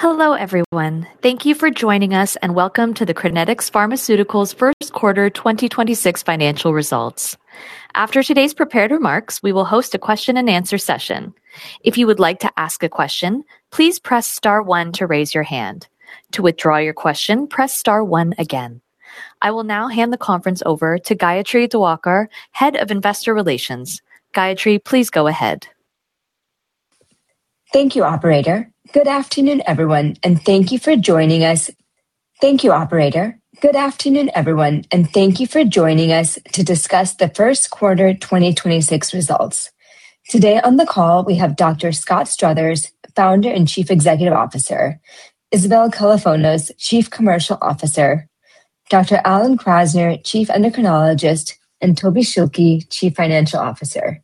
Hello, everyone. Thank you for joining us, and Welcome to the Crinetics Pharmaceuticals first quarter 2026 financial results. After today's prepared remarks, we will host a question and answer session. If you would like to ask a question please press star one to raise your hand, to withdraw your question, press star one again. I will now hand the conference over to Gayathri Diwakar, Head of Investor Relations. Gayathri, please go ahead. Thank you, operator. Good afternoon, everyone, and thank you for joining us to discuss the first quarter 2026 results. Today on the call, we have Dr. Scott Struthers, Founder and Chief Executive Officer; Isabel Kalofonos, Chief Commercial Officer; Dr. Alan Krasner, Chief Endocrinologist; and Tobin Schilke, Chief Financial Officer.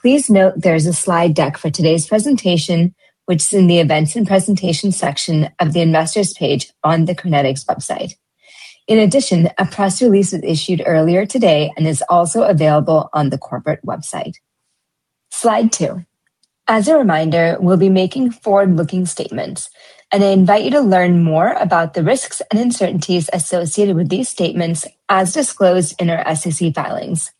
Please note there is a slide deck for today's presentation, which is in the Events and Presentation section of the Investors page on the Crinetics website. In addition, a press release was issued earlier today and is also available on the corporate website slide two. As a reminder, we'll be making forward-looking statements, and I invite you to learn more about the risks and uncertainties associated with these statements as disclosed in your SEC filings.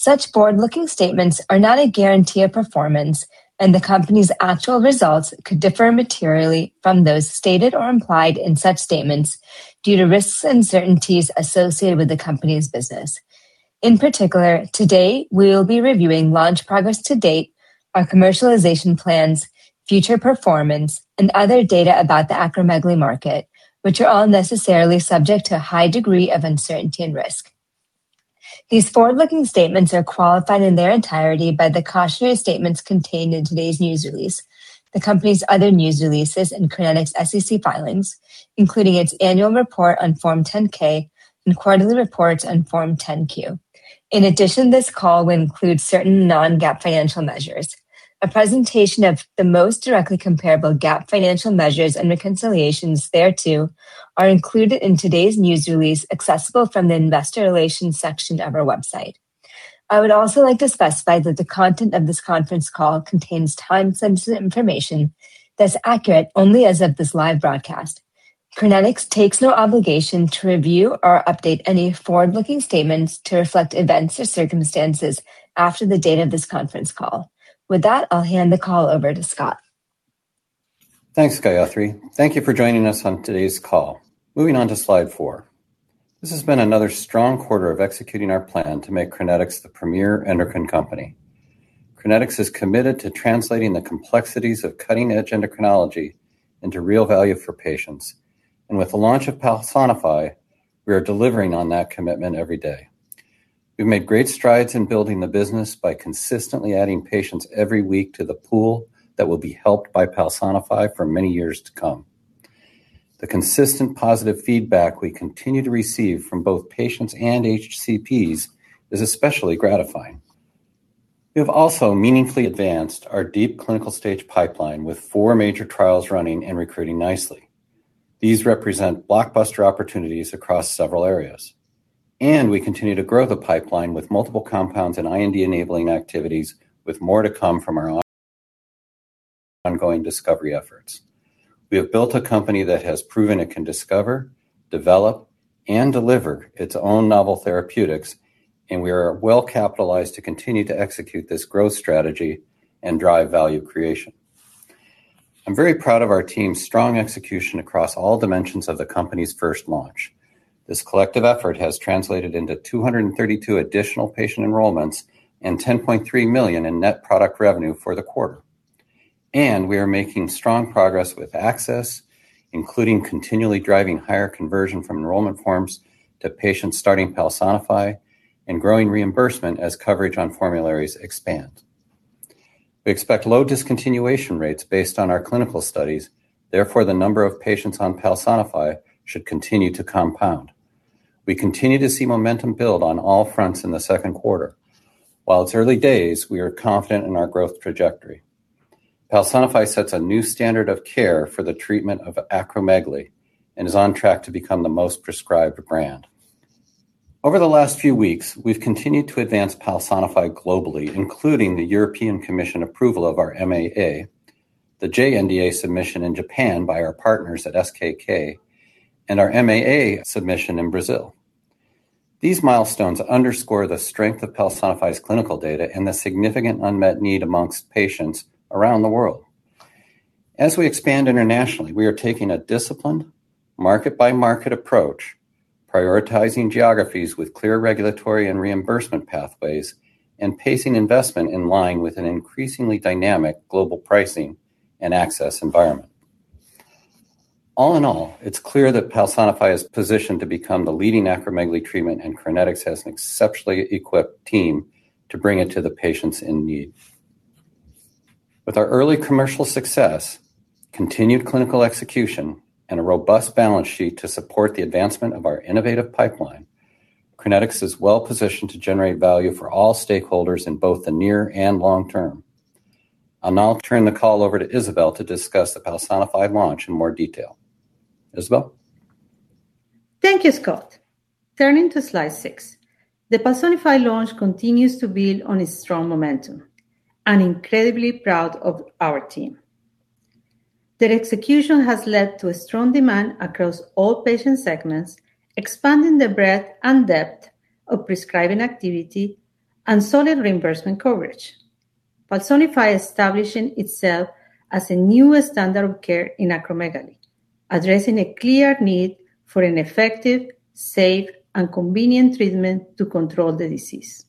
Such forward-looking statements are not a guarantee of performance, and the company's actual results could differ materially from those stated or implied in such statements due to risks and uncertainties associated with the company's business. In particular, today, we will be reviewing launch progress to date, our commercialization plans, future performance, and other data about the acromegaly market, which are all necessarily subject to a high degree of uncertainty and risk. These forward-looking statements are qualified in their entirety by the cautionary statements contained in today's news release, the company's other news releases in Crinetics SEC filings, including its annual report on Form 10-K and quarterly reports on Form 10-Q. In addition, this call will include certain non-GAAP financial measures. A presentation of the most directly comparable GAAP financial measures and reconciliations thereto are included in today's news release, accessible from the Investor Relations section of our website. I would also like to specify that the content of this conference call contains time-sensitive information that is accurate only as of this live broadcast. Crinetics takes no obligation to review or update any forward-looking statements to reflect events or circumstances after the date of this conference call. With that, I will hand the call over to Scott. Thanks, Gayathri. Thank you for joining us on today's call, moving on to slide four. This has been another strong quarter of executing our plan to make Crinetics the premier endocrine company. Crinetics is committed to translating the complexities of cutting-edge endocrinology into real value for patients. With the launch of PALSONIFY, we are delivering on that commitment every day. We've made great strides in building the business by consistently adding patients every week to the pool that will be helped by PALSONIFY for many years to come. The consistent positive feedback we continue to receive from both patients and HCPs is especially gratifying. We have also meaningfully advanced our deep clinical stage pipeline with four major trials running and recruiting nicely. These represent blockbuster opportunities across several areas. We continue to grow the pipeline with multiple compounds and IND-enabling activities with more to come from our ongoing discovery efforts. We have built a company that has proven it can discover, develop, and deliver its own novel therapeutics, and we are well-capitalized to continue to execute this growth strategy and drive value creation. I'm very proud of our team's strong execution across all dimensions of the company's first launch. This collective effort has translated into 232 additional patient enrollments and $10.3 million in net product revenue for the quarter. We are making strong progress with access, including continually driving higher conversion from enrollment forms to patients starting PALSONIFY and growing reimbursement as coverage on formularies expand. We expect low discontinuation rates based on our clinical studies. Therefore, the number of patients on PALSONIFY should continue to compound. We continue to see momentum build on all fronts in the second quarter. While it's early days, we are confident in our growth trajectory. PALSONIFY sets a new standard of care for the treatment of acromegaly and is on track to become the most prescribed brand. Over the last few weeks, we've continued to advance PALSONIFY globally, including the European Commission approval of our MAA, the JNDA submission in Japan by our partners at SKK, and our MAA submission in Brazil. These milestones underscore the strength of PALSONIFY's clinical data and the significant unmet need amongst patients around the world. As we expand internationally, we are taking a disciplined market-by-market approach, prioritizing geographies with clear regulatory and reimbursement pathways, and pacing investment in line with an increasingly dynamic global pricing and access environment. All in all, it's clear that PALSONIFY is positioned to become the leading acromegaly treatment, and Crinetics has an exceptionally equipped team to bring it to the patients in need. With our early commercial success, continued clinical execution, and a robust balance sheet to support the advancement of our innovative pipeline, Crinetics is well positioned to generate value for all stakeholders in both the near and long term. I'll now turn the call over to Isabel to discuss the PALSONIFY launch in more detail. Isabel? Thank you, Scott, turning to slide six. The PALSONIFY launch continues to build on its strong momentum. I'm incredibly proud of our team. Their execution has led to a strong demand across all patient segments, expanding the breadth and depth of prescribing activity and solid reimbursement coverage. PALSONIFY is establishing itself as a newer standard of care in acromegaly, addressing a clear need for an effective, safe, and convenient treatment to control the disease,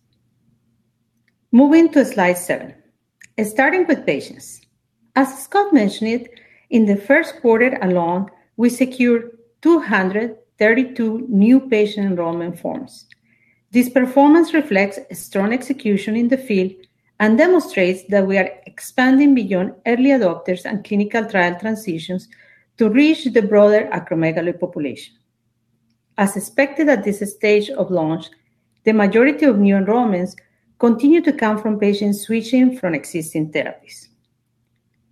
moving to slide seven, starting with patients. As Scott mentioned it, in the first quarter alone, we secured 232 new patient enrollment forms. This performance reflects a strong execution in the field and demonstrates that we are expanding beyond early adopters and clinical trial transitions to reach the broader acromegaly population. As expected at this stage of launch, the majority of new enrollments continue to come from patients switching from existing therapies.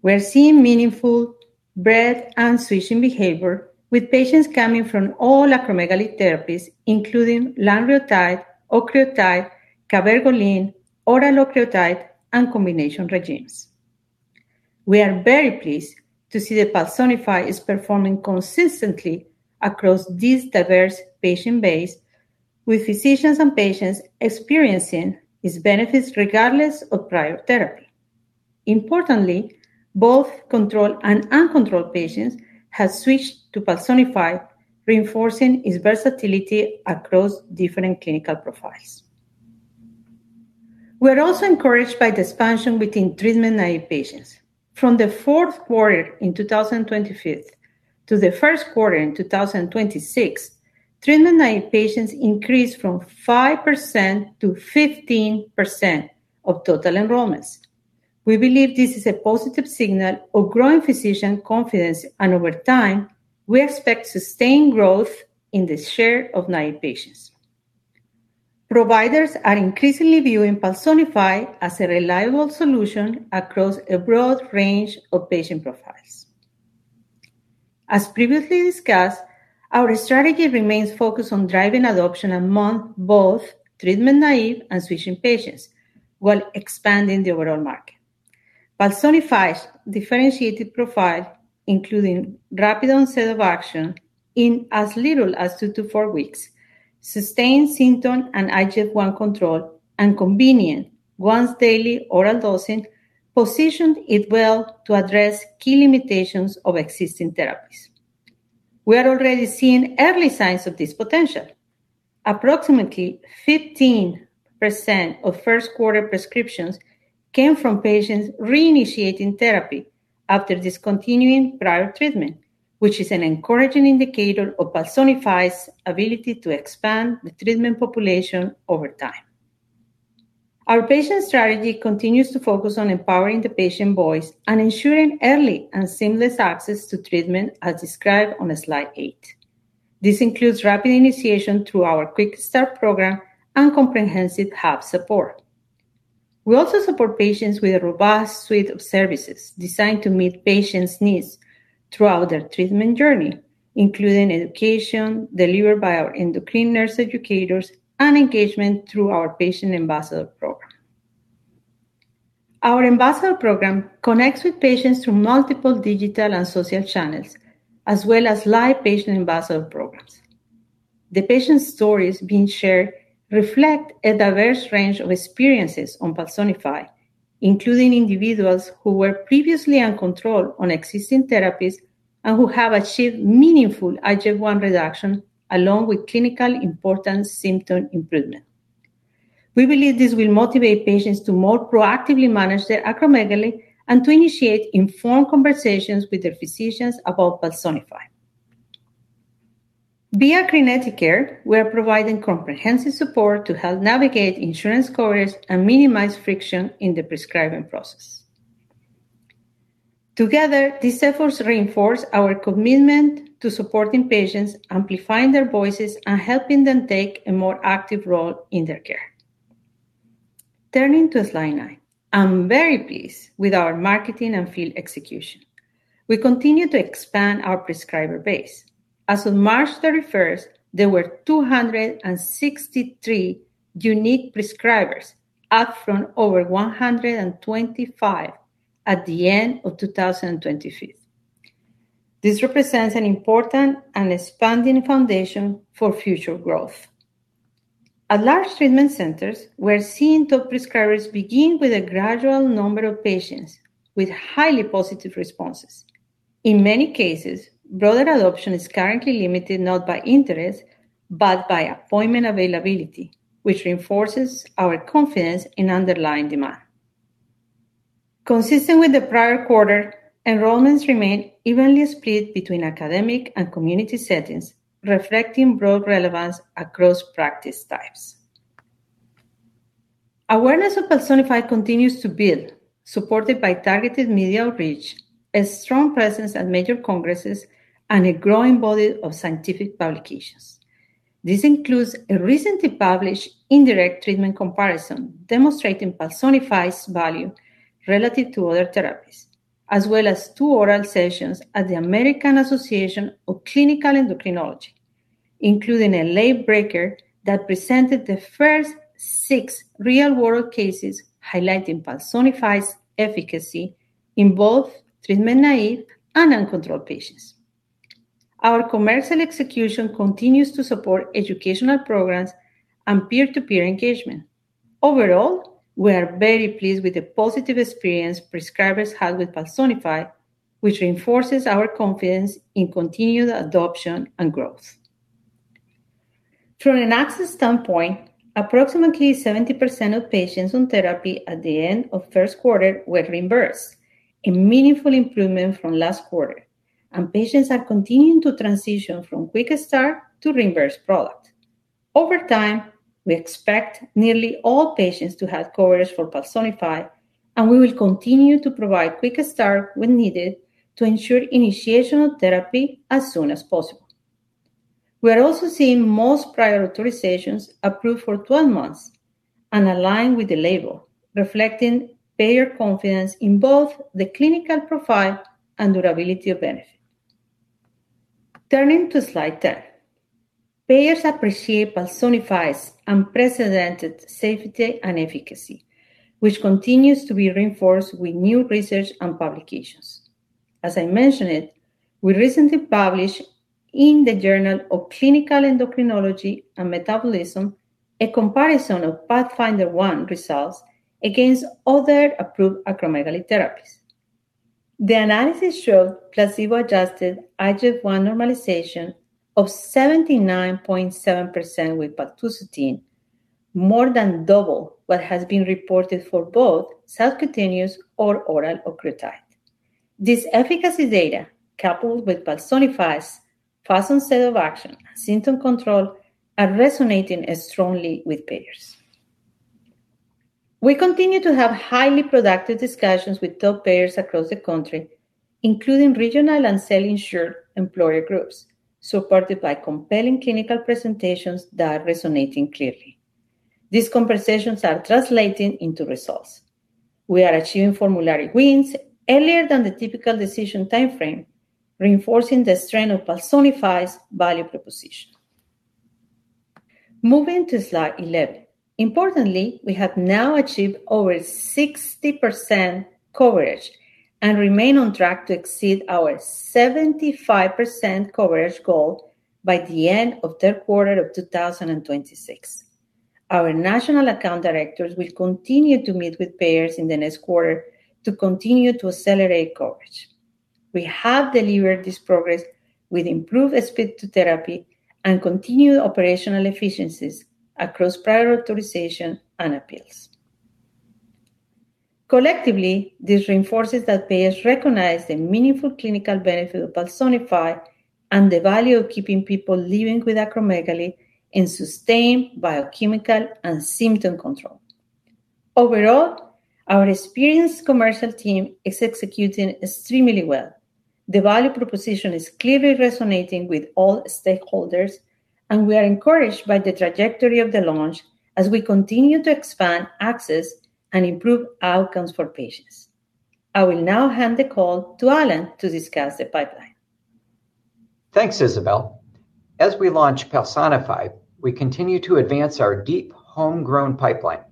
We are seeing meaningful breadth and switching behavior with patients coming from all acromegaly therapies, including lanreotide, octreotide, cabergoline, oral octreotide, and combination regimes. We are very pleased to see that PALSONIFY is performing consistently across this diverse patient base, with physicians and patients experiencing its benefits regardless of prior therapy. Importantly, both controlled and uncontrolled patients have switched to PALSONIFY, reinforcing its versatility across different clinical profiles. We are also encouraged by the expansion within treatment-naive patients. From the fourth quarter in 2025 to the first quarter in 2026, treatment-naive patients increased from 5% to 15% of total enrollments. We believe this is a positive signal of growing physician confidence, and over time, we expect sustained growth in the share of naive patients. Providers are increasingly viewing PALSONIFY as a reliable solution across a broad range of patient profiles. As previously discussed, our strategy remains focused on driving adoption among both treatment-naive and switching patients while expanding the overall market. PALSONIFY's differentiated profile, including rapid onset of action in as little as two to four weeks, sustained symptom and IGF-I control, and convenient once-daily oral dosing positioned it well to address key limitations of existing therapies. We are already seeing early signs of this potential. Approximately 15% of first quarter prescriptions came from patients reinitiating therapy after discontinuing prior treatment, which is an encouraging indicator of PALSONIFY's ability to expand the treatment population over time. Our patient strategy continues to focus on empowering the patient voice and ensuring early and seamless access to treatment, as described on slide eight. This includes rapid initiation through our QuickStart program and comprehensive hub support. We also support patients with a robust suite of services designed to meet patients' needs throughout their treatment journey, including education delivered by our endocrine nurse educators and engagement through our patient ambassador program. Our ambassador program connects with patients through multiple digital and social channels, as well as live patient ambassador programs. The patient stories being shared reflect a diverse range of experiences on PALSONIFY, including individuals who were previously uncontrolled on existing therapies and who have achieved meaningful IGF-I reduction along with clinical important symptom improvement. We believe this will motivate patients to more proactively manage their acromegaly and to initiate informed conversations with their physicians about PALSONIFY. via CrinetiCARE, we are providing comprehensive support to help navigate insurance coverage and minimize friction in the prescribing process. Together, these efforts reinforce our commitment to supporting patients, amplifying their voices, and helping them take a more active role in their care, turning to slide nine. I am very pleased with our marketing and field execution. We continue to expand our prescriber base. As of March 31st, there were 263 unique prescribers, up from over 125 at the end of 2025. This represents an important and expanding foundation for future growth. At large treatment centers, we are seeing top prescribers begin with a gradual number of patients with highly positive responses. In many cases, broader adoption is currently limited not by interest, but by appointment availability, which reinforces our confidence in underlying demand. Consistent with the prior quarter, enrollments remain evenly split between academic and community settings, reflecting broad relevance across practice types. Awareness of PALSONIFY continues to build, supported by targeted media outreach, a strong presence at major congresses, and a growing body of scientific publications. This includes a recently published indirect treatment comparison demonstrating PALSONIFY's value relative to other therapies, as well as two oral sessions at the American Association of Clinical Endocrinology, including a late breaker that presented the first six real-world cases highlighting PALSONIFY's efficacy in both treatment naive and uncontrolled patients. Our commercial execution continues to support educational programs and peer-to-peer engagement. Overall, we are very pleased with the positive experience prescribers had with PALSONIFY, which reinforces our confidence in continued adoption and growth. From an access standpoint, approximately 70% of patients on therapy at the end of first quarter were reimbursed, a meaningful improvement from last quarter, and patients are continuing to transition from QuickStart to reimbursed product. Over time, we expect nearly all patients to have coverage for PALSONIFY, and we will continue to provide QuickStart when needed to ensure initiation of therapy as soon as possible. We are also seeing most prior authorizations approved for 12 months and aligned with the label, reflecting payer confidence in both the clinical profile and durability of benefit. Turning to slide 10. Payers appreciate PALSONIFY's unprecedented safety and efficacy, which continues to be reinforced with new research and publications. As I mentioned it, we recently published in the Journal of Clinical Endocrinology & Metabolism, a comparison of PATHFNDR-1 results against other approved acromegaly therapies. The analysis showed placebo-adjusted IGF-I normalization of 79.7% with paltusotine, more than double what has been reported for both subcutaneous or oral octreotide. This efficacy data, coupled with PALSONIFY's fast onset of action and symptom control, are resonating strongly with payers. We continue to have highly productive discussions with top payers across the country, including regional and self-insured employer groups, supported by compelling clinical presentations that are resonating clearly. These conversations are translating into results. We are achieving formulary wins earlier than the typical decision timeframe, reinforcing the strength of PALSONIFY's value proposition. Moving to slide 11. Importantly, we have now achieved over 60% coverage and remain on track to exceed our 75% coverage goal by the end of third quarter of 2026. Our national account directors will continue to meet with payers in the next quarter to continue to accelerate coverage. We have delivered this progress with improved speed to therapy and continued operational efficiencies across prior authorization and appeals. Collectively, this reinforces that payers recognize the meaningful clinical benefit of PALSONIFY and the value of keeping people living with acromegaly in sustained biochemical and symptom control. Overall, our experienced commercial team is executing extremely well. The value proposition is clearly resonating with all stakeholders, and we are encouraged by the trajectory of the launch as we continue to expand access and improve outcomes for patients. I will now hand the call to Alan to discuss the pipeline. Thanks, Isabel. As we launch PALSONIFY, we continue to advance our deep homegrown pipeline.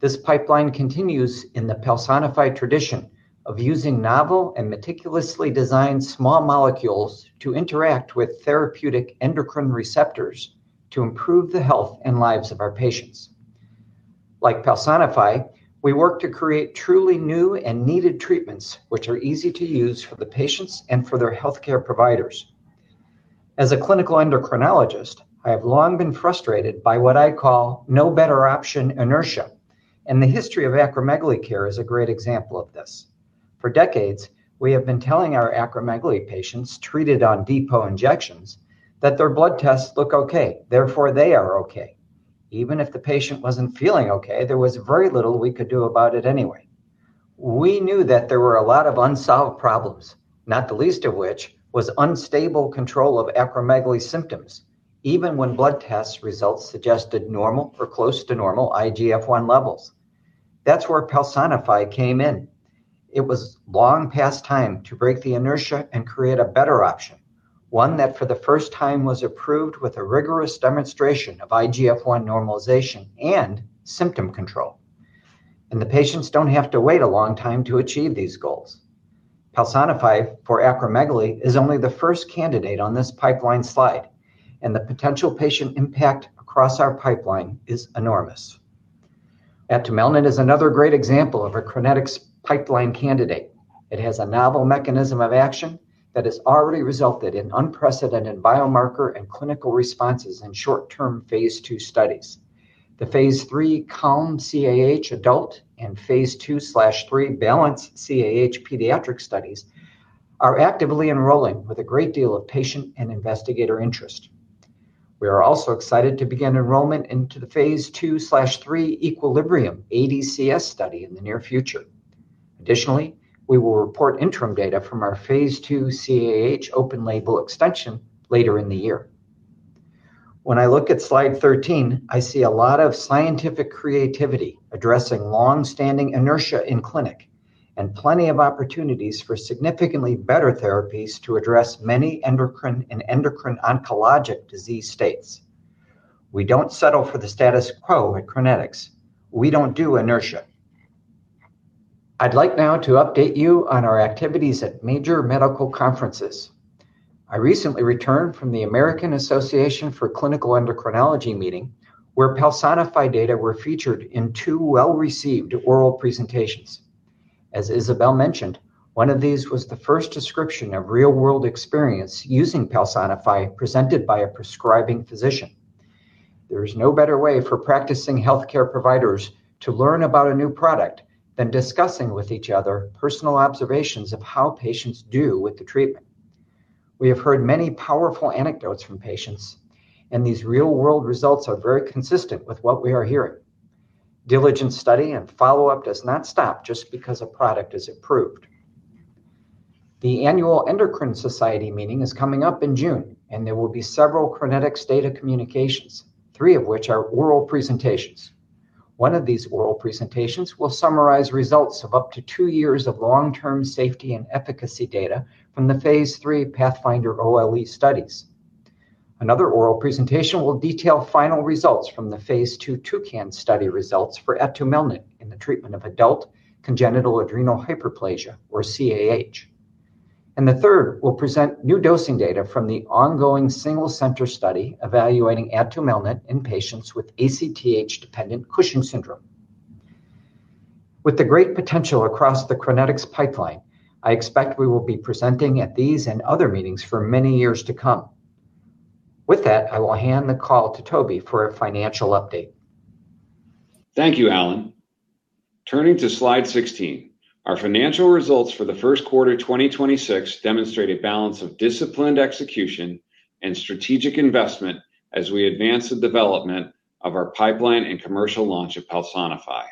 This pipeline continues in the PALSONIFY tradition of using novel and meticulously designed small molecules to interact with therapeutic endocrine receptors to improve the health and lives of our patients. Like PALSONIFY, we work to create truly new and needed treatments, which are easy to use for the patients and for their healthcare providers. As a clinical endocrinologist, I have long been frustrated by what I call no better option inertia, and the history of acromegaly care is a great example of this. For decades, we have been telling our acromegaly patients treated on depot injections that their blood tests look okay, therefore they are okay. Even if the patient wasn't feeling okay, there was very little we could do about it anyway. We knew that there were a lot of unsolved problems, not the least of which was unstable control of acromegaly symptoms, even when blood test results suggested normal or close to normal IGF-I levels. That's where PALSONIFY came in. It was long past time to break the inertia and create a better option. One that, for the first time, was approved with a rigorous demonstration of IGF-I normalization and symptom control. The patients don't have to wait a long time to achieve these goals. PALSONIFY for acromegaly is only the first candidate on this pipeline slide, and the potential patient impact across our pipeline is enormous. atumelnant is another great example of a Crinetics' pipeline candidate. It has a novel mechanism of action that has already resulted in unprecedented biomarker and clinical responses in short-term phase II studies. The phase III CALM-CAH adult and phase II/III BALANCE-CAH pediatric studies are actively enrolling with a great deal of patient and investigator interest. We are also excited to begin enrollment into the phase II/III EQUILIBRIUM ADCS study in the near future. Additionally, we will report interim data from our phase II CAH open label extension later in the year. When I look at slide 13, I see a lot of scientific creativity addressing long-standing inertia in clinic, and plenty of opportunities for significantly better therapies to address many endocrine and endocrine oncologic disease states. We don't settle for the status quo at Crinetics. We don't do inertia. I'd like now to update you on our activities at major medical conferences. I recently returned from the American Association of Clinical Endocrinology meeting, where PALSONIFY data were featured in two well-received oral presentations. As Isabel mentioned, one of these was the first description of real-world experience using PALSONIFY presented by a prescribing physician. There is no better way for practicing healthcare providers to learn about a new product than discussing with each other personal observations of how patients do with the treatment. We have heard many powerful anecdotes from patients. These real-world results are very consistent with what we are hearing. Diligent study and follow-up does not stop just because a product is approved. The annual Endocrine Society meeting is coming up in June. There will be several Crinetics data communications, three of which are oral presentations. One of these oral presentations will summarize results of up to two years of long-term safety and efficacy data from the phase III PATHFNDR OLE studies. Another oral presentation will detail final results from the phase II TouCAHn study results for atumelnant in the treatment of adult congenital adrenal hyperplasia or CAH. The third will present new dosing data from the ongoing single center study evaluating atumelnant in patients with ACTH-dependent Cushing's syndrome. With the great potential across the Crinetics pipeline, I expect we will be presenting at these and other meetings for many years to come. With that, I will hand the call to Tobin for a financial update. Thank you, Alan. Turning to slide 16, our financial results for the first quarter 2026 demonstrate a balance of disciplined execution and strategic investment as we advance the development of our pipeline and commercial launch of PALSONIFY.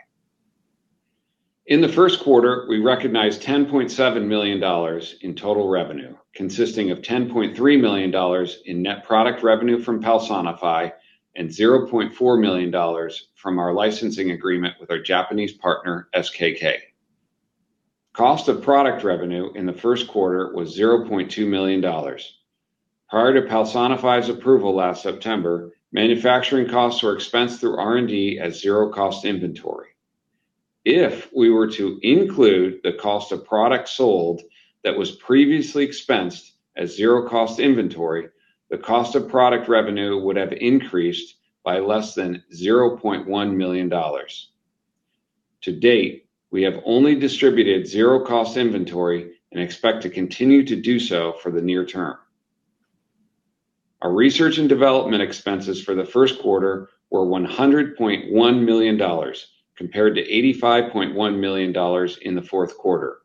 In the first quarter, we recognized $10.7 million in total revenue, consisting of $10.3 million in net product revenue from PALSONIFY and $0.4 million from our licensing agreement with our Japanese partner, SKK. Cost of product revenue in the first quarter was $0.2 million. prior to PALSONIFY's approval last September, manufacturing costs were expensed through R&D at zero cost inventory. If we were to include the cost of product sold that was previously expensed at zero cost inventory, the cost of product revenue would have increased by less than $0.1 million. To date, we have only distributed zero cost inventory and expect to continue to do so for the near term. Our research and development expenses for the first quarter were $100.1 million compared to $85.1 million in the fourth quarter.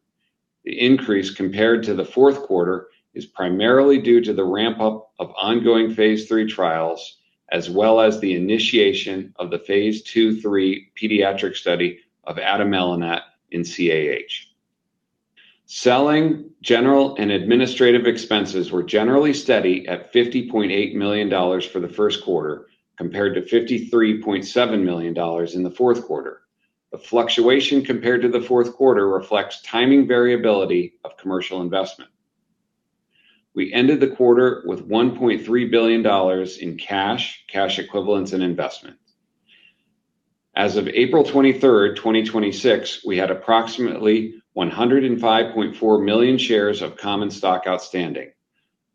The increase compared to the fourth quarter is primarily due to the ramp-up of ongoing phase III trials as well as the initiation of the phase II/III pediatric study of atumelnant in CAH. selling, general, and administrative expenses were generally steady at $50.8 million for the first quarter compared to $53.7 million in the fourth quarter. The fluctuation compared to the fourth quarter reflects timing variability of commercial investment. We ended the quarter with $1.3 billion in cash equivalents, and investments. As of April 23rd, 2026, we had approximately 105.4 million shares of common stock outstanding.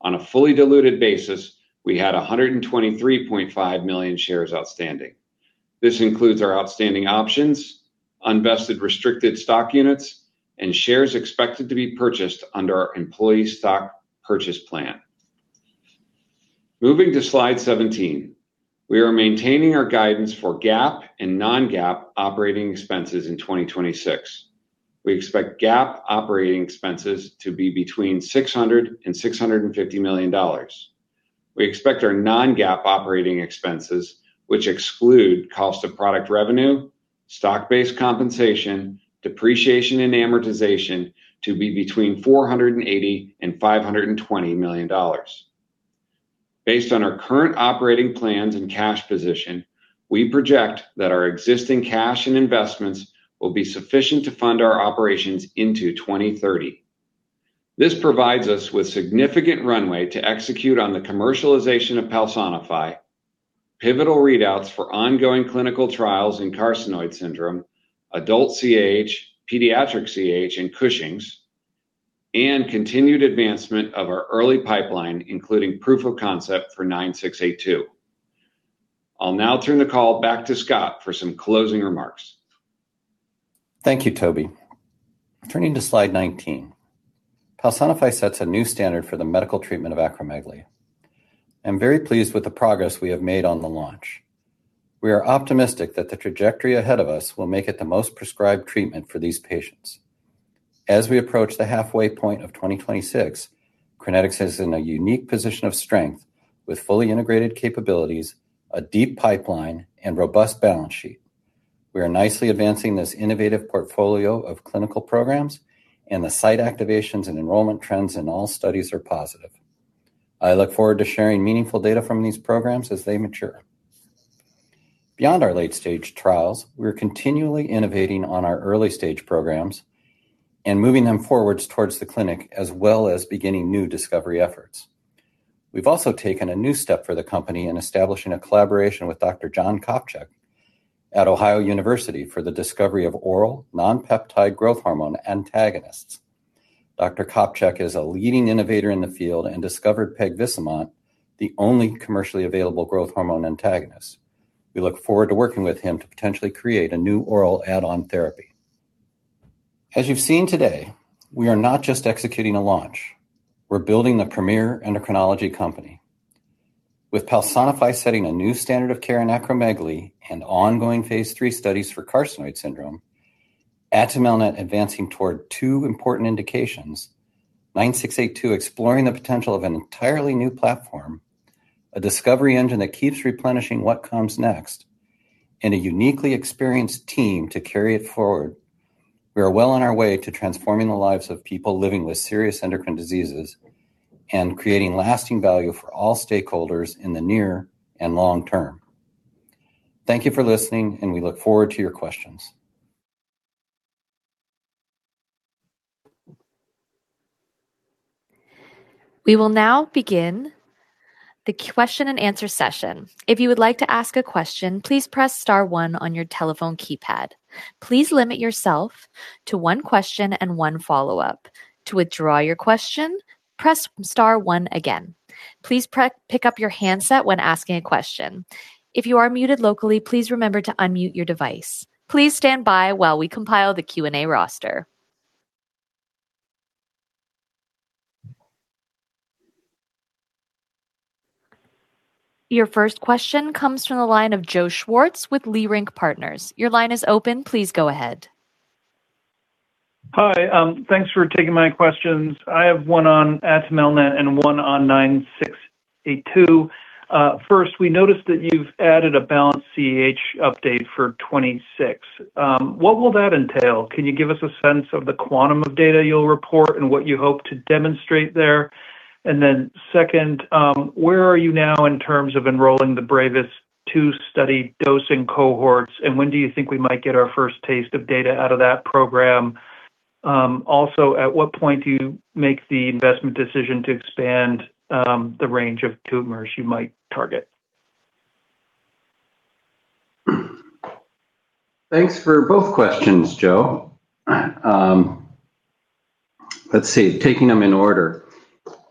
On a fully diluted basis, we had 123.5 million shares outstanding. This includes our outstanding options, unvested restricted stock units, and shares expected to be purchased under our employee stock purchase plan. Moving to slide 17. We are maintaining our guidance for GAAP and non-GAAP operating expenses in 2026. We expect GAAP operating expenses to be between $600 million and $650 million. We expect our non-GAAP operating expenses, which exclude cost of product revenue, stock-based compensation, depreciation, and amortization, to be between $480 million and $520 million. Based on our current operating plans and cash position, we project that our existing cash and investments will be sufficient to fund our operations into 2030. This provides us with significant runway to execute on the commercialization of PALSONIFY, pivotal readouts for ongoing clinical trials in carcinoid syndrome, adult CAH, pediatric CAH, and Cushing's, and continued advancement of our early pipeline, including proof of concept for CRN09682. I'll now turn the call back to Scott for some closing remarks. Thank you, Toby. Turning to slide 19. PALSONIFY sets a new standard for the medical treatment of acromegaly. I'm very pleased with the progress we have made on the launch. We are optimistic that the trajectory ahead of us will make it the most prescribed treatment for these patients. As we approach the halfway point of 2026 Crinetics is in a unique position of strength with fully integrated capabilities, a deep pipeline, and robust balance sheet. We are nicely advancing this innovative portfolio of clinical programs. The site activations and enrollment trends in all studies are positive. I look forward to sharing meaningful data from these programs as they mature. Beyond our late-stage trials, we're continually innovating on our early-stage programs and moving them forwards towards the clinic, as well as beginning new discovery efforts. We've also taken a new step for the company in establishing a collaboration with Dr. John Kopchick at Ohio University for the discovery of oral nonpeptide growth hormone antagonists. Dr. Kopchick is a leading innovator in the field and discovered pegvisomant, the only commercially available growth hormone antagonist. We look forward to working with him to potentially create a new oral add-on therapy. As you've seen today, we are not just executing a launch, we're building the premier endocrinology company. With PALSONIFY setting a new standard of care in acromegaly and ongoing phase III studies for carcinoid syndrome, atumelnant advancing toward two important indications, CRN09682 exploring the potential of an entirely new platform, a discovery engine that keeps replenishing what comes next, and a uniquely experienced team to carry it forward. We are well on our way to transforming the lives of people living with serious endocrine diseases and creating lasting value for all stakeholders in the near and long term. Thank you for listening, and we look forward to your questions. We will now begin the question and answer session. If you would like to ask a question, please press star one on your telephone keypad. Please limit yourself to one question and one follow-up. To withdraw your question, press star one again. Please pick up your handset when asking a question. If you are muted locally, please remember to unmute your device. Please stand by while we compile the Q&A roster. Your first question comes from the line of Joe Schwartz with Leerink Partners. Your line is open. Please go ahead. Hi. Thanks for taking my questions. I have one on atumelnant and one on CRN09682. First, we noticed that you've added a BALANCE-CAH update for 2026. What will that entail? Can you give us a sense of the quantum of data you'll report and what you hope to demonstrate there? Second, where are you now in terms of enrolling the BRAVESST2 study dosing cohorts, and when do you think we might get our first taste of data out of that program? Also, at what point do you make the investment decision to expand the range of tumors you might target? Thanks for both questions, Joe. Let's see. Taking them in order,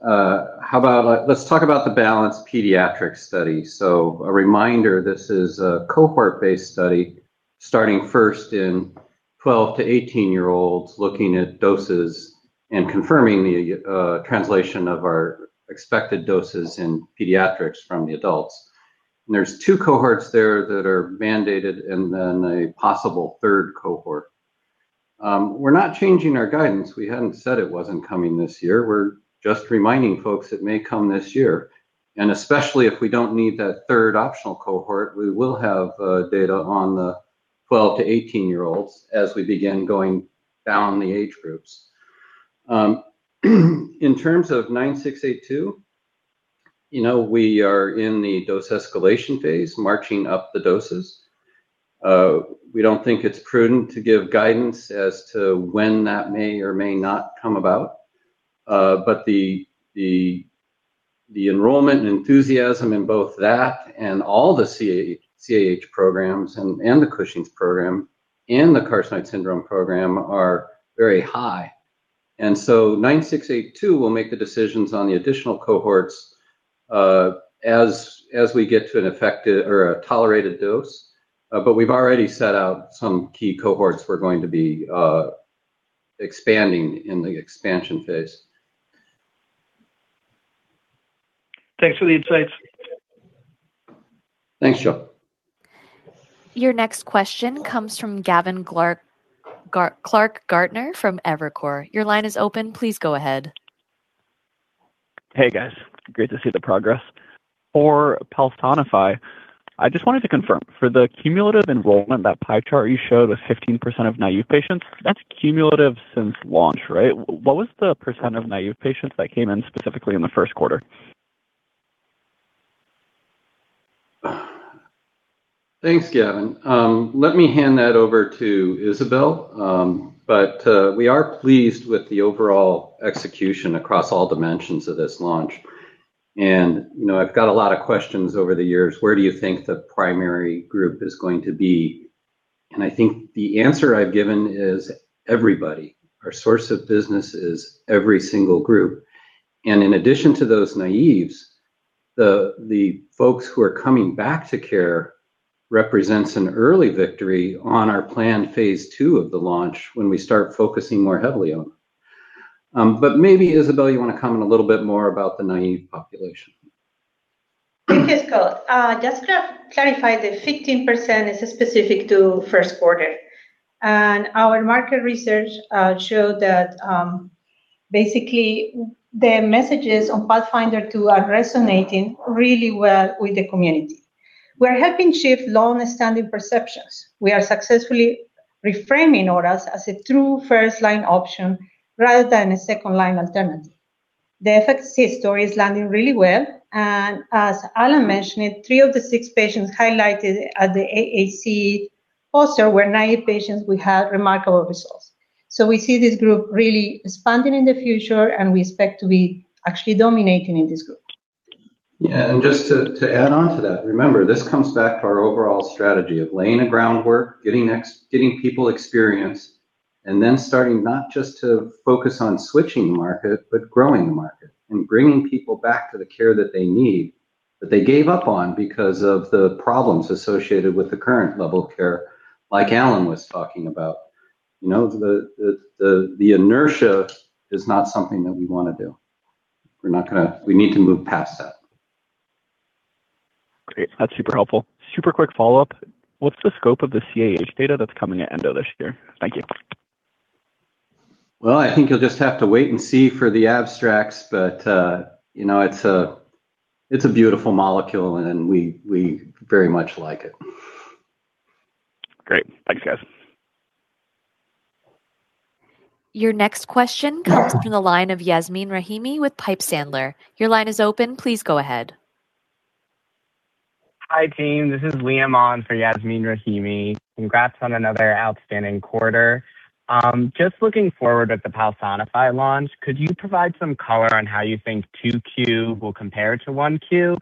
let's talk about the BALANCE-CAH study. A reminder, this is a cohort-based study starting first in 12 to 18-year-olds, looking at doses and confirming the translation of our expected doses in pediatrics from the adults. There's 2 cohorts there that are mandated and then a possible third cohort. We're not changing our guidance. We hadn't said it wasn't coming this year. We're just reminding folks it may come this year. Especially if we don't need that third optional cohort, we will have data on the 12 to 18-year-olds as we begin going down the age groups. In terms of CRN09682, you know, we are in the dose escalation phase, marching up the doses. We don't think it's prudent to give guidance as to when that may or may not come about. But the enrollment and enthusiasm in both that and all the CAH programs and the Cushing's program and the carcinoid syndrome program are very high. CRN09682 will make the decisions on the additional cohorts as we get to an effective or a tolerated dose. But we've already set out some key cohorts we're going to be expanding in the expansion phase. Thanks for the insights. Thanks, Joe. Your next question comes from Gavin Clark-Gartner from Evercore ISI. Your line is open. Please go ahead. Hey, guys. Great to see the progress. For PALSONIFY, I just wanted to confirm. For the cumulative enrollment, that pie chart you showed with 15% of naive patients, that's cumulative since launch, right? What was the percent of naive patients that came in specifically in the first quarter? Thanks, Gavin. Let me hand that over to Isabel. We are pleased with the overall execution across all dimensions of this launch. You know, I've got a lot of questions over the years. "Where do you think the primary group is going to be?" I think the answer I've given is everybody. Our source of business is every single group. In addition to those naïves, the folks who are coming back to care represents an early victory on our planned phase II of the launch when we start focusing more heavily on them. Maybe, Isabel, you want to comment a little bit more about the naïve population. Yes, Scott. Just to clarify, the 15% is specific to 1st quarter. Our market research showed that basically the messages on PATHFNDR-2 are resonating really well with the community. We're helping shift longstanding perceptions. We are successfully reframing orals as a true first-line option rather than a second-line alternative. The efficacy story is landing really well. As Alan mentioned it, three of the six patients highlighted at the AACE poster were naive patients who had remarkable results. We see this group really expanding in the future. We expect to be actually dominating in this group. Yeah, just to add onto that, remember, this comes back to our overall strategy of laying the groundwork, getting people experience, and then starting not just to focus on switching market, but growing the market, and bringing people back to the care that they need, that they gave up on because of the problems associated with the current level of care, like Alan was talking about. You know. The inertia is not something that we wanna do. We need to move past that. Great. That's super helpful. Super quick follow-up. What's the scope of the CAH data that's coming at end of this year? Thank you. I think you'll just have to wait and see for the abstracts, but, you know, it's a beautiful molecule and we very much like it. Great. Thanks, guys. Your next question comes from the line of Yasmeen Rahimi with Piper Sandler. Your line is open. Please go ahead. Hi, team. This is Liam on for Yasmeen Rahimi. Congrats on another outstanding quarter. Just looking forward at the PALSONIFY launch, could you provide some color on how you think 2Q will compare to 1Q?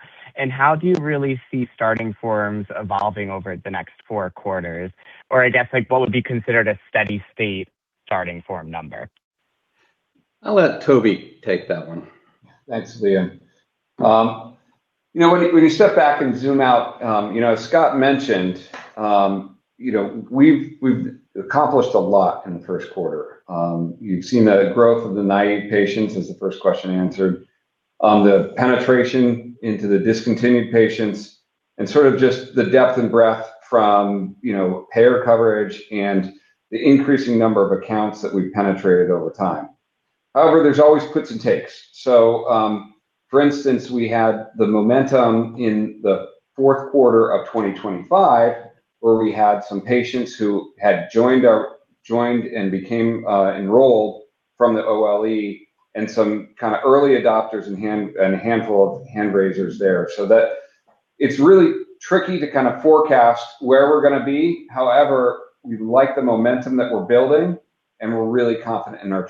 How do you really see starting forms evolving over the next fourth quarters? I guess, like, what would be considered a steady state starting form number? I'll let Tobin take that one. Thanks, Liam. You know, when you step back and zoom out, you know, as Scott mentioned, you know, we've accomplished a lot in the first quarter. You've seen the growth of the naive patients, as the first question answered. The penetration into the discontinued patients, and sort of just the depth and breadth from, you know, payer coverage and the increasing number of accounts that we've penetrated over time. There's always puts and takes. For instance, we had the momentum in the fourth quarter of 2025, where we had some patients who had joined and became enrolled from the OLE, and some kind of early adopters and a handful of hand-raisers there. That it's really tricky to kind of forecast where we're going to be. We like the momentum that we're building, and we're really confident in our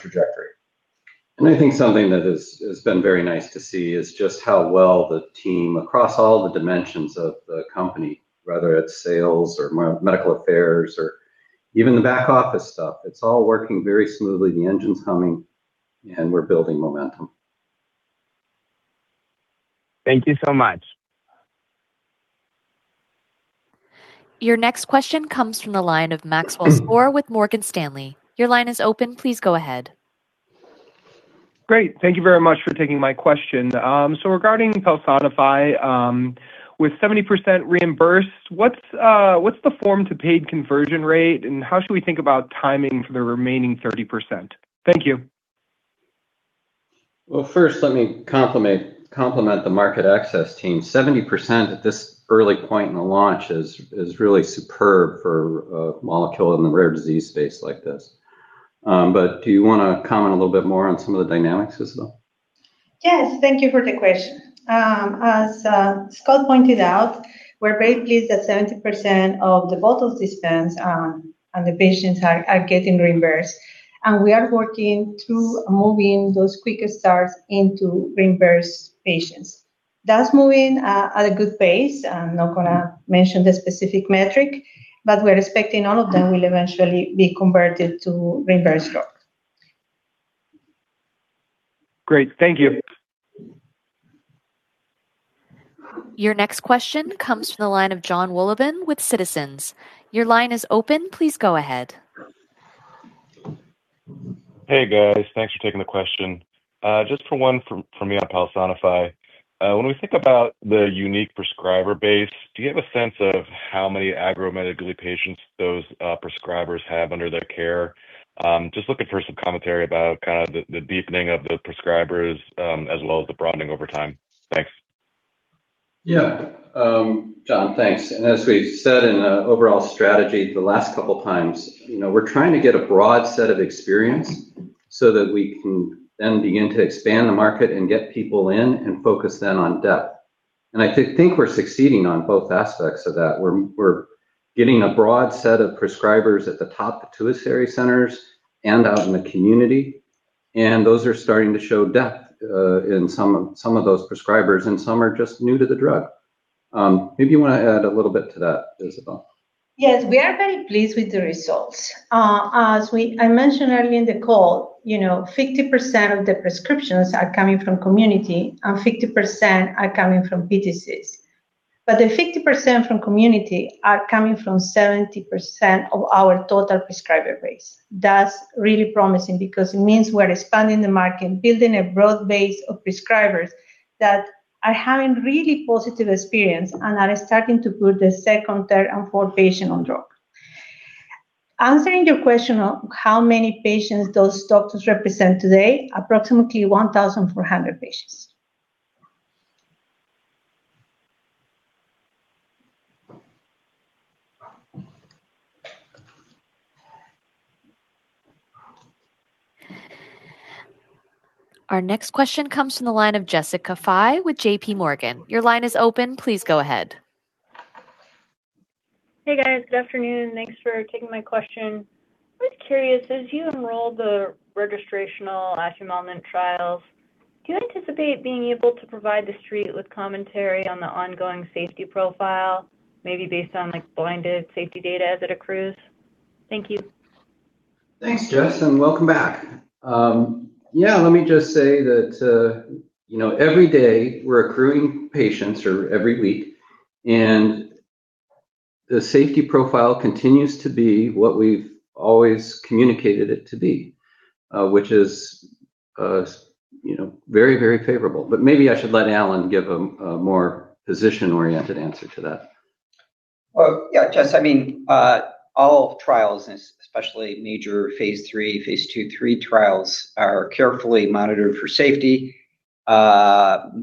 trajectory. I think something that has been very nice to see is just how well the team across all the dimensions of the company, whether it’s sales or medical affairs or even the back office stuff, it’s all working very smoothly. The engine’s humming and we’re building momentum. Thank you so much. Your next question comes from the line of Maxwell Skor with Morgan Stanley. Your line is open. Please go ahead. Great. Thank you very much for taking my question. Regarding PALSONIFY, with 70% reimbursed, what's the form to paid conversion rate, and how should we think about timing for the remaining 30%? Thank you. Well, first let me compliment the market access team. 70% at this early point in the launch is really superb for a molecule in the rare disease space like this. Do you want to comment a little bit more on some of the dynamics, Isabel? Yes. Thank you for the question. As Scott pointed out we're very pleased that 70% of the bottle dispense on the patients are getting reimbursed. We are working to moving those QuickStart into reimbursed patients. That's moving at a good pace. I'm not gonna mention the specific metric, but we're expecting all of them will eventually be converted to reimbursed drugs. Great. Thank you. Your next question comes from the line of Jon Wolleben with Citizens. Your line is open. Please go ahead. Hey, guys. Thanks for taking the question. Just for one from me on PALSONIFY. When we think about the unique prescriber base, do you have a sense of how many acromegaly patients those prescribers have under their care? Just looking for some commentary about kind of the deepening of the prescribers, as well as the broadening over time. Thanks. Yeah. John, thanks. As we've said in our overall strategy the last couple times, you know, we're trying to get a broad set of experience so that we can then begin to expand the market and get people in and focus then on depth. I think we're succeeding on both aspects of that. We're getting a broad set of prescribers at the top tertiary centers and out in the community, and those are starting to show depth in some of those prescribers, and some are just new to the drug. Maybe you wanna add a little bit to that, Isabel. Yes. We are very pleased with the results. As I mentioned earlier in the call, you know, 50% of the prescriptions are coming from community, and 50% are coming from ATCs. The 50% from community are coming from 70% of our total prescriber base. That's really promising because it means we're expanding the market, building a broad base of prescribers that are having really positive experience and are starting to put the second, third, and fourth patient on drug. Answering your question on how many patients those doctors represent today, approximately 1,400 patients. Our next question comes from the line of Jessica Fye with JPMorgan. Your line is open. Please go ahead. Hey, guys. Good afternoon. Thanks for taking my question. I was curious, as you enrolled the registrational atumelnant trials, do you anticipate being able to provide the street with commentary on the ongoing safety profile, maybe based on like blinded safety data as it accrues? Thank you. Thanks, Jess, and welcome back. Yeah, let me just say that, you know, every day we're accruing patients, or every week, and the safety profile continues to be what we've always communicated it to be, which is, you know, very, very favorable. Maybe I should let Alan give a more position-oriented answer to that. Well, yeah, Jess, I mean all trials especially major phase III, phase II/III trials are carefully monitored for safety.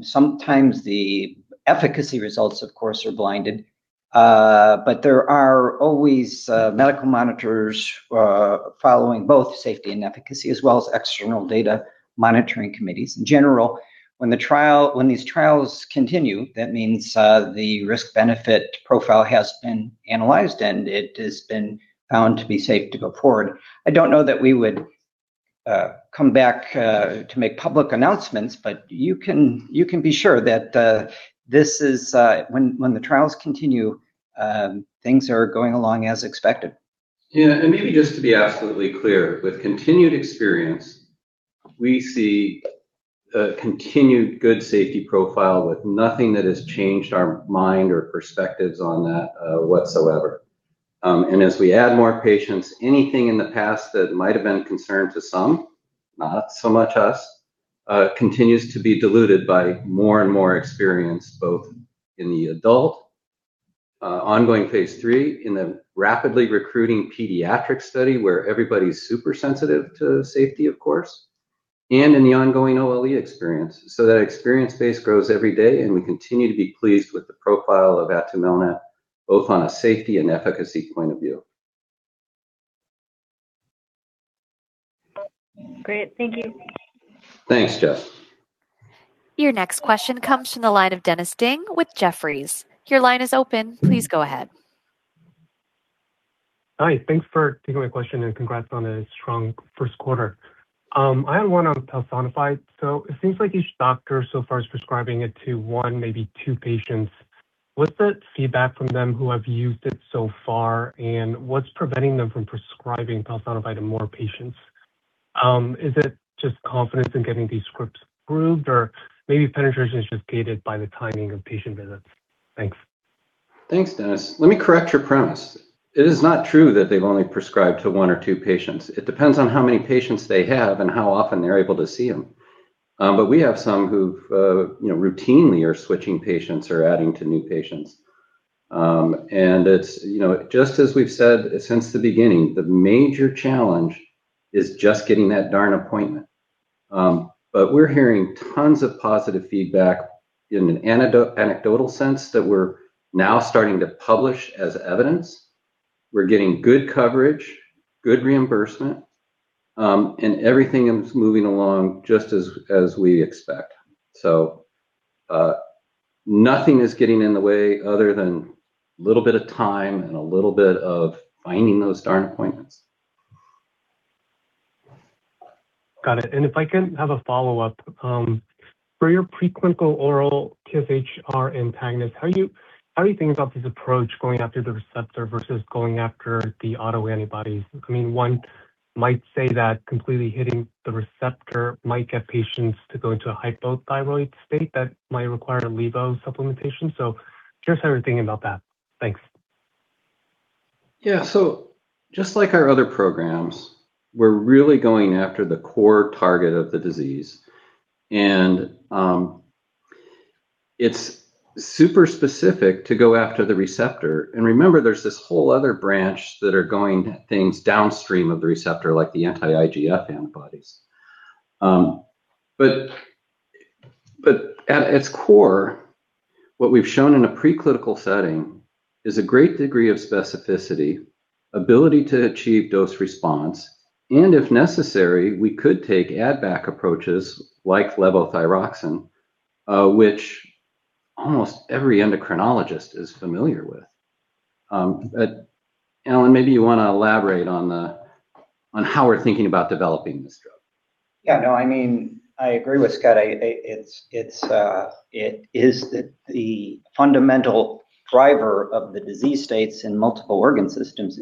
Sometimes the efficacy results, of course, are blinded. There are always medical monitors following both safety and efficacy as well as external data monitoring committees. In general, when these trials continue, that means the risk-benefit profile has been analyzed, it has been found to be safe to go forward. I don't know that we would come back to make public announcements, you can be sure that this is when the trials continue, things are going along as expected. Maybe just to be absolutely clear, with continued experience, we see a continued good safety profile with nothing that has changed our mind or perspectives on that whatsoever. As we add more patients, anything in the past that might have been a concern to some, not so much us, continues to be diluted by more and more experience, both in the adult, ongoing phase III in the rapidly recruiting pediatric study where everybody's super sensitive to safety, of course, and in the ongoing OLE experience. That experience base grows every day, and we continue to be pleased with the profile of atumelnant, both on a safety and efficacy point of view. Great. Thank you. Thanks, Jess. Your next question comes from the line of Dennis Ding with Jefferies. Your line is open. Please go ahead. Hi. Thanks for taking my question, and congrats on a strong first quarter. I had one on PALSONIFY. It seems like each doctor so far is prescribing it to one, maybe two patients. What's the feedback from them who have used it so far, and what's preventing them from prescribing PALSONIFY to more patients? Is it just confidence in getting these scripts approved, or maybe penetration is just gated by the timing of patient visits? Thanks. Thanks, Dennis. Let me correct your premise. It is not true that they've only prescribed to one or two patients. It depends on how many patients they have and how often they're able to see them. We have some who, you know, routinely are switching patients or adding to new patients. It's, you know, just as we've said since the beginning, the major challenge is just getting that darn appointment. We're hearing tons of positive feedback in an anecdotal sense that we're now starting to publish as evidence. We're getting good coverage, good reimbursement, everything is moving along just as we expect. Nothing is getting in the way other than a little bit of time and a little bit of finding those darn appointments. Got it. If I can have a follow-up, for your preclinical oral TSHR antagonist, how do you think about this approach going after the receptor versus going after the autoantibodies? I mean, one might say that completely hitting the receptor might get patients to go into a hypothyroid state that might require levos supplementation. Just how are you thinking about that? Thanks. Just like our other programs, we're really going after the core target of the disease. It's super specific to go after the receptor. Remember, there's this whole other branch that are going at things downstream of the receptor, like the anti-IGF-1R antibodies. At its core, what we've shown in a preclinical setting is a great degree of specificity, ability to achieve dose response, and if necessary, we could take add-back approaches like levothyroxine, which almost every endocrinologist is familiar with. Alan, maybe you wanna elaborate on the, on how we're thinking about developing this drug. Yeah, no, I mean, I agree with Scott. It's the fundamental driver of the disease states in multiple organ systems.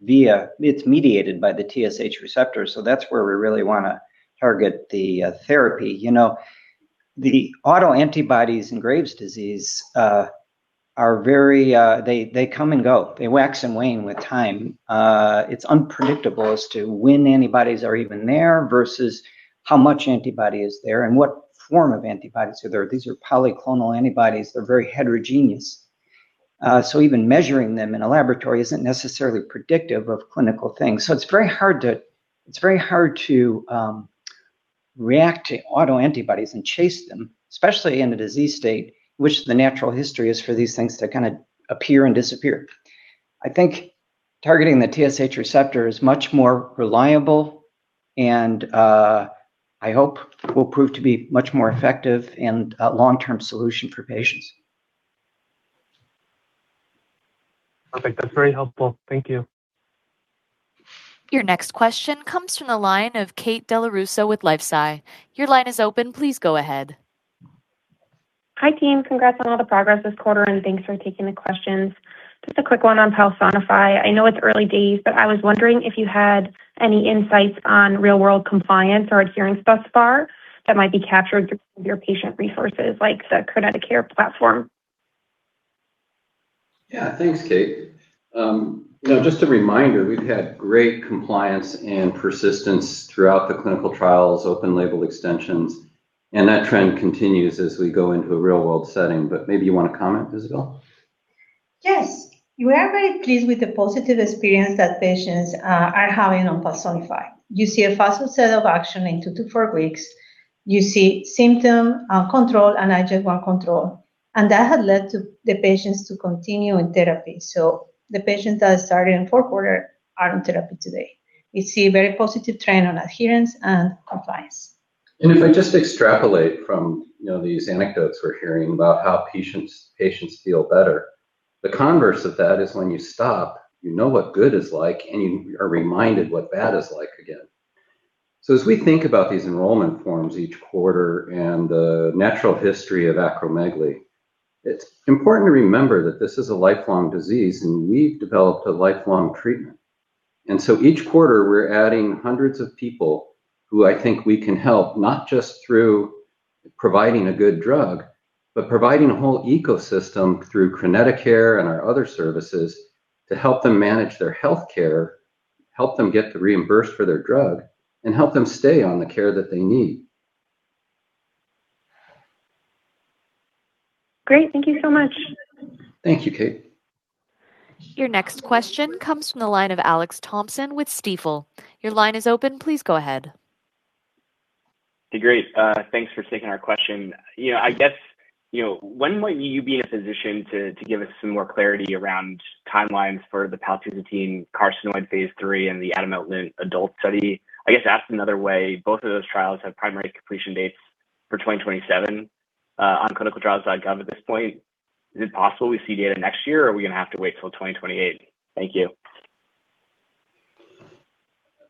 It's mediated by the TSH receptor, so that's where we really wanna target the therapy. You know, the autoantibodies in Graves' disease are very, they come and go. They wax and wane with time. It's unpredictable as to when antibodies are even there versus how much antibody is there and what form of antibodies are there. These are polyclonal antibodies. They're very heterogeneous. Even measuring them in a laboratory isn't necessarily predictive of clinical things. It's very hard to react to autoantibodies and chase them, especially in a disease state, which the natural history is for these things to kind of appear and disappear. I think targeting the TSH receptor is much more reliable and, I hope will prove to be much more effective and a long-term solution for patients. Perfect. That's very helpful. Thank you. Your next question comes from the line of Kate Dellorusso with LifeSci. Your line is open. Please go ahead. Hi, team. Congrats on all the progress this quarter, and thanks for taking the questions. Just a quick one on PALSONIFY. I know it's early days, but I was wondering if you had any insights on real world compliance or adherence thus far that might be captured through your patient resources like the CrinetiCARE platform. Yeah. Thanks, Kate. You know, just a reminder, we've had great compliance and persistence throughout the clinical trials, open-label extensions, and that trend continues as we go into a real-world setting. Maybe you want to comment, Isabel? Yes. We are very pleased with the positive experience that patients are having on PALSONIFY. You see a faster set of action in two to four weeks. You see symptom control and IGF-I control, and that had led to the patients to continue in therapy. The patients that started in fourth quarter are on therapy today. We see a very positive trend on adherence and compliance. If I just extrapolate from, you know, these anecdotes we're hearing about how patients feel better, the converse of that is when you stop, you know what good is like, and you are reminded what bad is like again. As we think about these enrollment forms each quarter and the natural history of acromegaly, it's important to remember that this is a lifelong disease, and we've developed a lifelong treatment. Each quarter we're adding hundreds of people who I think we can help, not just through providing a good drug, but providing a whole ecosystem through CrinetiCARE and our other services to help them manage their healthcare, help them get reimbursed for their drug, and help them stay on the care that they need. Great. Thank you so much. Thank you, Kate. Your next question comes from the line of Alex Thompson with Stifel. Your line is open. Please go ahead. Hey, great. Thanks for taking our question. You know, I guess, you know, when might you be in a position to give us some more clarity around timelines for the paltusotine carcinoid phase III and the atumelnant adult study? I guess asked another way, both of those trials have primary completion dates for 2027 on clinicaltrials.gov at this point. Is it possible we see data next year, or are we gonna have to wait till 2028? Thank you.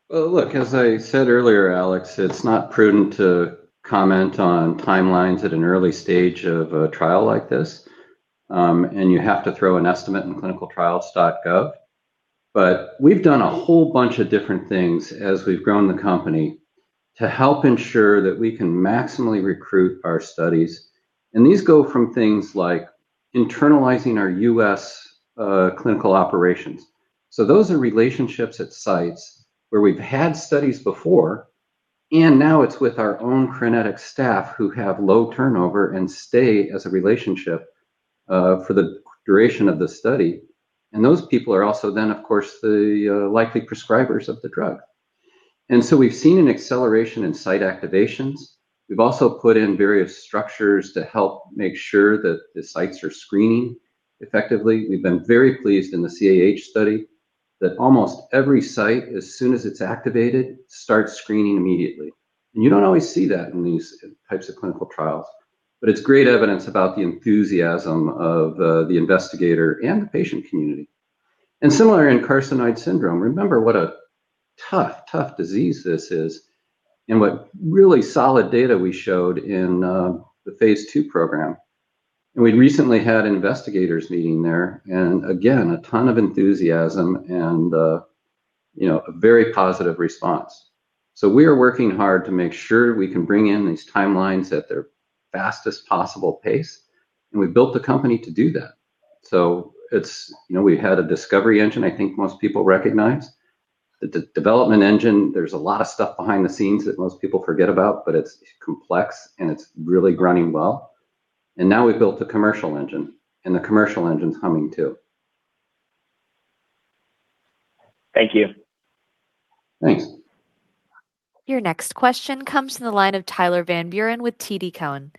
Well, look, as I said earlier, Alex, it's not prudent to comment on timelines at an early stage of a trial like this. You have to throw an estimate in clinicaltrials.gov. We've done a whole bunch of different things as we've grown the company to help ensure that we can maximally recruit our studies, and these go from things like internalizing our U.S. clinical operations. Those are relationships at sites where we've had studies before, and now it's with our own Crinetics staff who have low turnover and stay as a relationship for the duration of the study. Those people are also then, of course, the likely prescribers of the drug. We've seen an acceleration in site activations. We've also put in various structures to help make sure that the sites are screening effectively. We've been very pleased in the CAH study that almost every site, as soon as it's activated, starts screening immediately. You don't always see that in these types of clinical trials, but it's great evidence about the enthusiasm of the investigator and the patient community. Similar in carcinoid syndrome, remember what a tough disease this is and what really solid data we showed in the phase II program. We'd recently had investigators meeting there, again, a ton of enthusiasm and, you know, a very positive response. We are working hard to make sure we can bring in these timelines at their fastest possible pace, and we built the company to do that. You know, we had a discovery engine I think most people recognize. The development engine, there's a lot of stuff behind the scenes that most people forget about, but it's complex, and it's really running well. Now we've built the commercial engine, and the commercial engine's humming too. Thank you. Thanks. Your next question comes from the line of Tyler Van Buren with TD Cowen.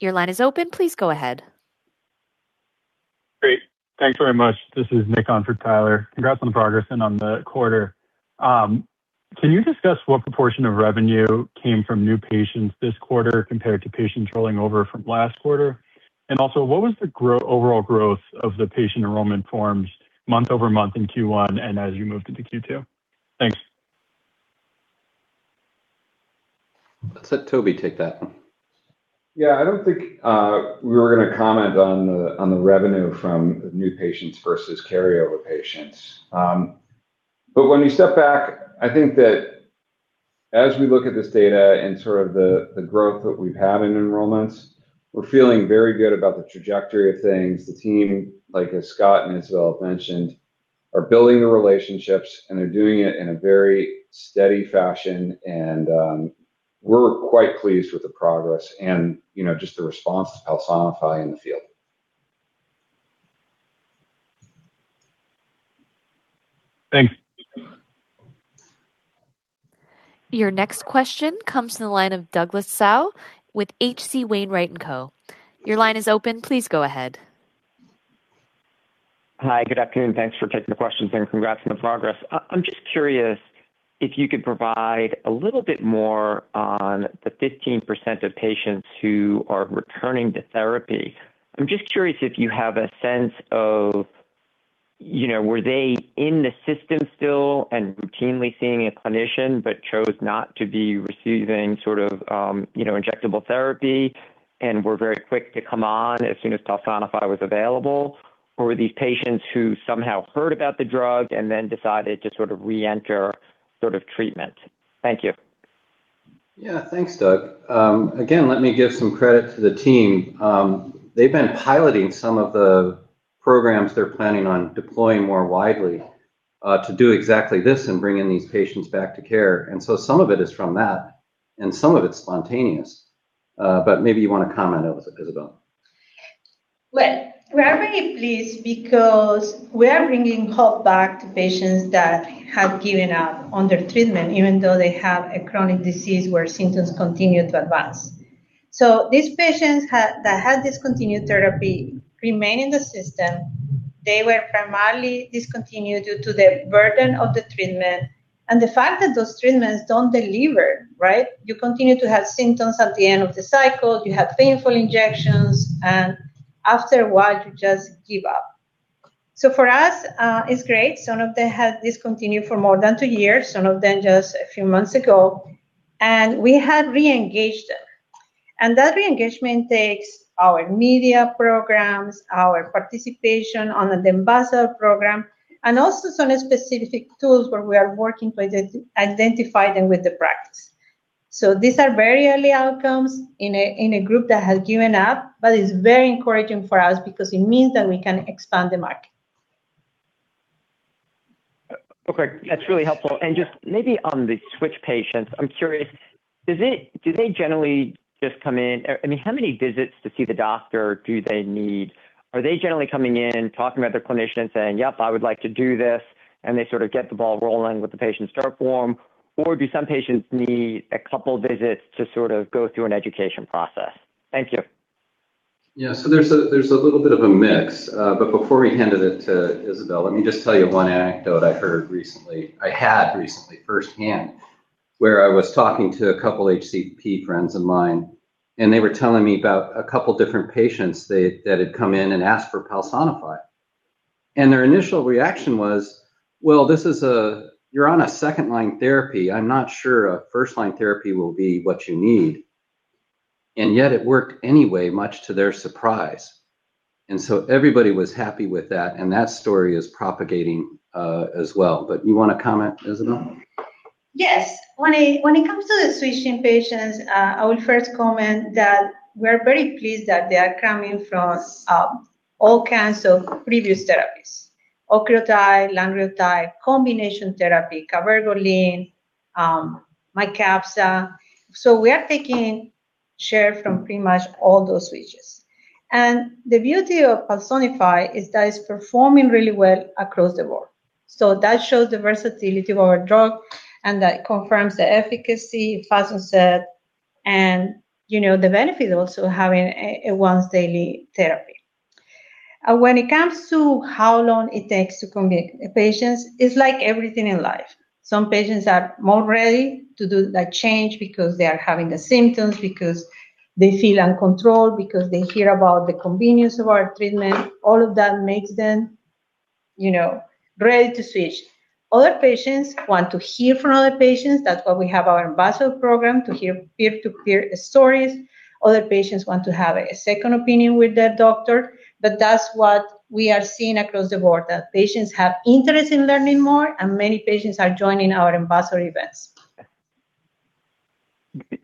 Your line is open. Please go ahead. Great. Thanks very much. This is Nick on for Tyler. Congrats on the progress and on the quarter. Can you discuss what proportion of revenue came from new patients this quarter compared to patients rolling over from last quarter? Also, what was the overall growth of the patient enrollment forms month-over-month in Q1 and as you moved into Q2? Thanks. Let's let Tobin take that one. Yeah. I don't think we were gonna comment on the, on the revenue from new patients versus carryover patients. When you step back, I think that As we look at this data and sort of the growth that we've had in enrollments, we're feeling very good about the trajectory of things. The team, like as Scott and Isabel have mentioned, are building the relationships, and they're doing it in a very steady fashion. We're quite pleased with the progress and, you know, just the response to PALSONIFY in the field. Thanks. Your next question comes from the line of Douglas Tsao with H.C. Wainwright. Your line is open. Please go ahead. Hi. Good afternoon. Thanks for taking the questions, and congrats on the progress. I'm just curious if you could provide a little bit more on the 15% of patients who are returning to therapy. I'm just curious if you have a sense of, you know, were they in the system still and routinely seeing a clinician but chose not to be receiving sort of, you know, injectable therapy and were very quick to come on as soon as PALSONIFY was available? Were these patients who somehow heard about the drug and then decided to sort of reenter sort of treatment? Thank you. Yeah. Thanks, Doug. Let me give some credit to the team. They've been piloting some of the programs they're planning on deploying more widely to do exactly this and bringing these patients back to care. Some of it is from that, and some of it's spontaneous. Maybe you wanna comment, Isabel. We are very pleased because we are bringing hope back to patients that have given up on their treatment even though they have a chronic disease where symptoms continue to advance. These patients that had discontinued therapy remain in the system. They were primarily discontinued due to the burden of the treatment and the fact that those treatments don't deliver, right? You continue to have symptoms at the end of the cycle. You have painful injections. After a while, you just give up. For us, it's great. Some of them have discontinued for more than two years, some of them just a few months ago, and we have re-engaged them. That re-engagement takes our media programs, our participation on the Ambassador Program, and also some specific tools where we are working to identify them with the practice. These are very early outcomes in a group that has given up, but it's very encouraging for us because it means that we can expand the market. Okay. That's really helpful. Just maybe on the switch patients, I'm curious, do they generally just come in, I mean, how many visits to see the doctor do they need? Are they generally coming in, talking with their clinician and saying, "Yep, I would like to do this," and they sort of get the ball rolling with the patient start form? Do some patients need a couple visits to sort of go through an education process? Thank you. Yeah. There's a, there's a little bit of a mix. Before we hand it to Isabel, let me just tell you one anecdote I heard recently I had recently firsthand, where I was talking to a couple HCP friends of mine, and they were telling me about a couple different patients they, that had come in and asked for PALSONIFY. Their initial reaction was, "Well, this is a You're on a second-line therapy. I'm not sure a first-line therapy will be what you need." Yet it worked anyway, much to their surprise. Everybody was happy with that, and that story is propagating as well. You wanna comment, Isabel? Yes. When it comes to the switching patients, I would first comment that we're very pleased that they are coming from all kinds of previous therapies, octreotide, lanreotide, combination therapy, cabergoline, MYCAPSSA. We are taking share from pretty much all those switches. The beauty of PALSONIFY is that it's performing really well across the board. That shows the versatility of our drug, and that confirms the efficacy, fast onset, and, you know, the benefit also having a once daily therapy. When it comes to how long it takes to convince patients, it's like everything in life. Some patients are more ready to do the change because they are having the symptoms, because they feel uncontrolled, because they hear about the convenience of our treatment. All of that makes them, you know, ready to switch. Other patients want to hear from other patients. That's why we have our ambassador program to hear peer-to-peer stories. Other patients want to have a second opinion with their doctor. That's what we are seeing across the board, that patients have interest in learning more, and many patients are joining our ambassador events.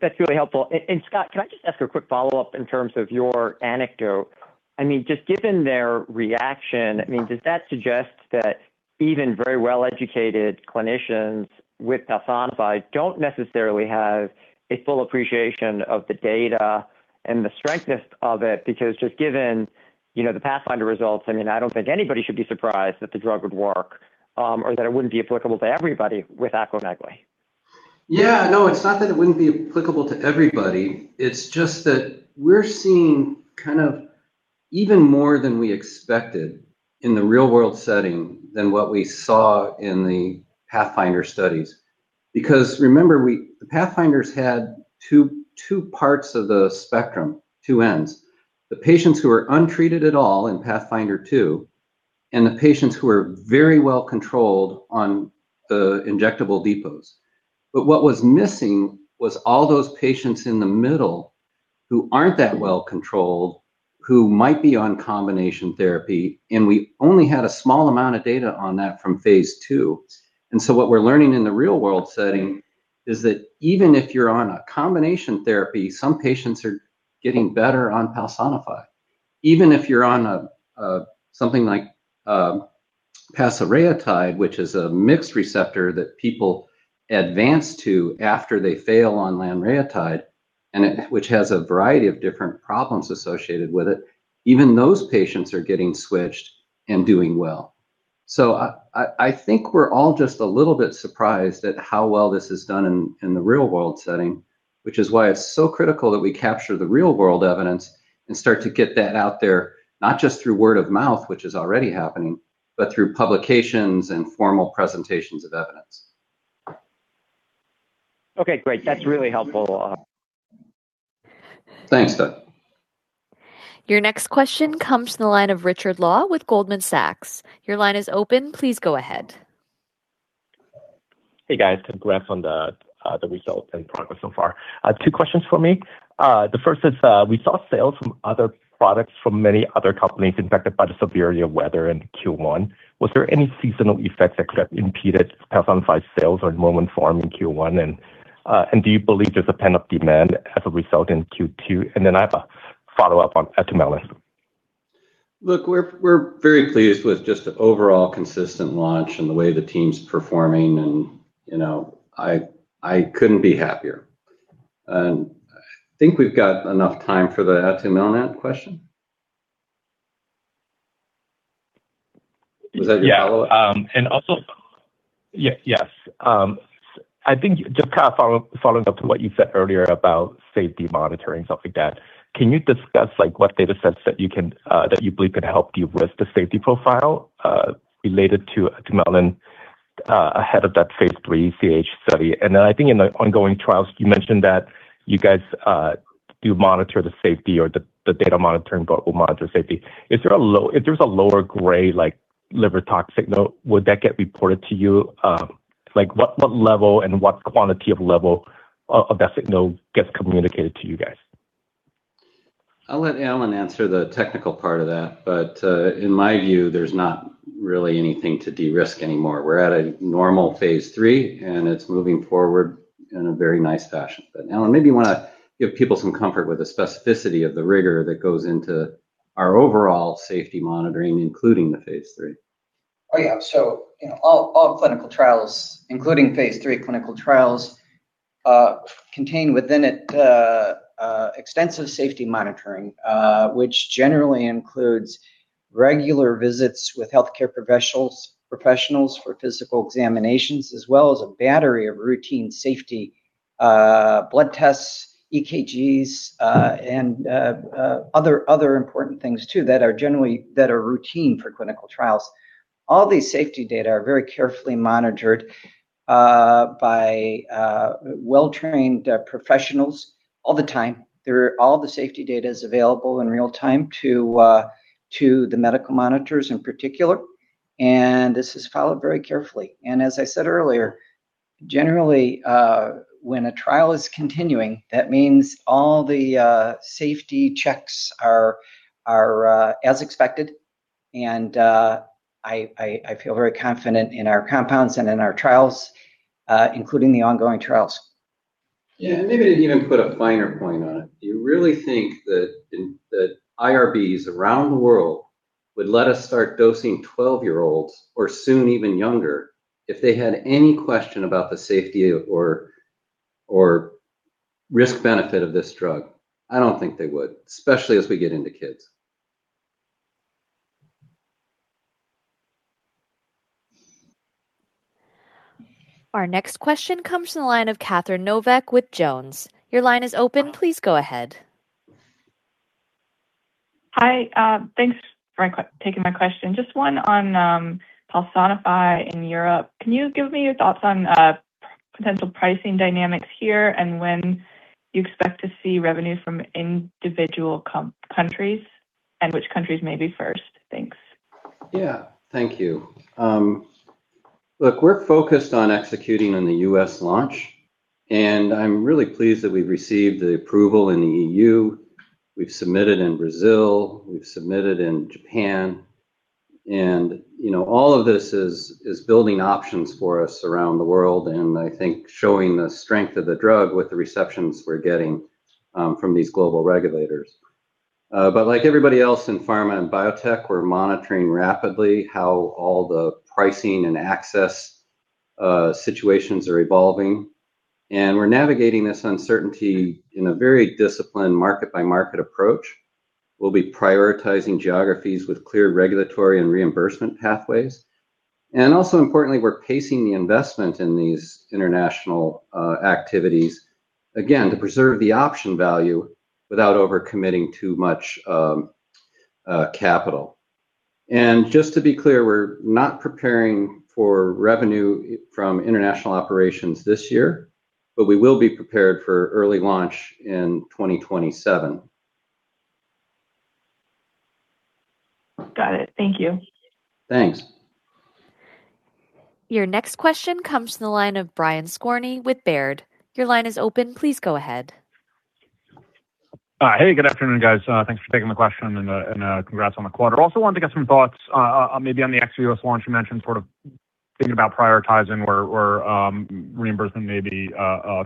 That's really helpful. Scott, can I just ask a quick follow-up in terms of your anecdote? I mean, just given their reaction, I mean, does that suggest that even very well-educated clinicians with PALSONIFY don't necessarily have a full appreciation of the data and the strength of it? Just given, you know, the PATHFNDR results, I mean, I don't think anybody should be surprised that the drug would work, or that it wouldn't be applicable to everybody. Yeah. No, it's not that it wouldn't be applicable to everybody. It's just that we're seeing kind of even more than we expected in the real world setting than what we saw in the PATHFNDR studies. Remember we, the PATHFNDR had two parts of the spectrum, two ends. The patients who were untreated at all in PATHFNDR-2 and the patients who were very well controlled on the injectable depots. What was missing was all those patients in the middle. Who aren't that well controlled, who might be on combination therapy, and we only had a small amount of data on that from phase II. What we're learning in the real world setting is that even if you're on a combination therapy, some patients are getting better on PALSONIFY. Even if you're on a something like pasireotide, which is a mixed receptor that people advance to after they fail on lanreotide, which has a variety of different problems associated with it, even those patients are getting switched and doing well. I think we're all just a little bit surprised at how well this has done in the real world setting, which is why it's so critical that we capture the real world evidence and start to get that out there, not just through word of mouth, which is already happening, but through publications and formal presentations of evidence. Okay, great. That's really helpful. Thanks, Doug. Your next question comes from the line of Richard Law with Goldman Sachs. Your line is open. Please go ahead. Hey, guys. Congrats on the results and progress so far, two questions for me. The first is, we saw sales from other products from many other companies impacted by the severity of weather in Q1. Was there any seasonal effects that could have impeded PALSONIFY sales or momentum in Q1? Do you believe there's a pent-up demand as a result in Q2? I have a follow-up on atumelnant. Look, we're very pleased with just the overall consistent launch and the way the team's performing and, you know, I couldn't be happier. I think we've got enough time for the atumelnant question. Was that your follow-up? Yeah. Also Yes. I think just following up to what you said earlier about safety monitoring, stuff like that. Can you discuss what data sets that you believe could help de-risk the safety profile related to atumelnant ahead of that phase III CAH study? Then I think in the ongoing trials you mentioned that you guys do monitor the safety or the data monitoring will monitor safety. If there's a lower grade, like, liver toxicity, would that get reported to you? What level and what quantity of that signal gets communicated to you guys? I'll let Alan answer the technical part of that, but in my view, there's not really anything to de-risk anymore. We're at a normal phase III, and it's moving forward in a very nice fashion. Alan, maybe you wanna give people some comfort with the specificity of the rigor that goes into our overall safety monitoring, including the phase III. Yeah, you know, all clinical trials, including phase III clinical trials, contain within it extensive safety monitoring, which generally includes regular visits with healthcare professionals for physical examinations, as well as a battery of routine safety blood tests, EKGs, and other important things too that are generally routine for clinical trials. All these safety data are very carefully monitored by well-trained professionals all the time. All the safety data is available in real time to the medical monitors in particular, and this is followed very carefully. As I said earlier, generally, when a trial is continuing, that means all the safety checks are as expected. I feel very confident in our compounds and in our trials, including the ongoing trials. Yeah. Maybe to even put a finer point on it. Do you really think IRBs around the world would let us start dosing 12-year-olds, or soon even younger, if they had any question about the safety or risk-benefit of this drug? I don't think they would, especially as we get into kids. Our next question comes from the line of Catherine Novack with JonesTrading. Your line is open. Please go ahead. Hi. Thanks for taking my question. Just one on PALSONIFY in Europe. Can you give me your thoughts on potential pricing dynamics here, and when you expect to see revenue from individual countries, and which countries may be first? Thanks. Yeah. Thank you. Look, we're focused on executing on the U.S. launch, and I'm really pleased that we've received the approval in the EU. We've submitted in Brazil, we've submitted in Japan, you know, all of this is building options for us around the world, and I think showing the strength of the drug with the receptions we're getting from these global regulators. Like everybody else in pharma and biotech, we're monitoring rapidly how all the pricing and access situations are evolving, and we're navigating this uncertainty in a very disciplined market-by-market approach. We'll be prioritizing geographies with clear regulatory and reimbursement pathways. Also importantly, we're pacing the investment in these international activities, again, to preserve the option value without over-committing too much capital. Just to be clear, we're not preparing for revenue from international operations this year, but we will be prepared for early launch in 2027. Got it. Thank you. Thanks. Your next question comes from the line of Brian Skorney with Baird. Your line is open. Please go ahead. Hey, good afternoon, guys. Thanks for taking the question and congrats on the quarter. Also wanted to get some thoughts maybe on the ex-U.S. launch you mentioned, sort of thinking about prioritizing where reimbursement may be